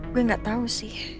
gue gak tau sih